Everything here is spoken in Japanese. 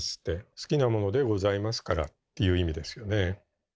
「好きなものでございますから」っていう意味ですよね。